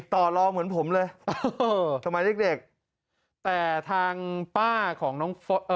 ต่อรองเหมือนผมเลยเออสมัยเด็กเด็กแต่ทางป้าของน้องเอ่อ